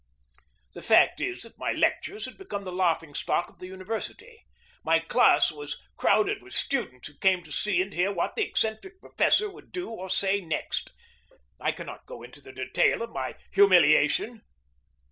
The fact is that my lectures had become the laughing stock of the university. My class was crowded with students who came to see and hear what the eccentric professor would do or say next. I cannot go into the detail of my humiliation.